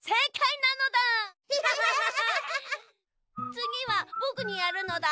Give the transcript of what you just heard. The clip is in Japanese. つぎはぼくにやるのだ。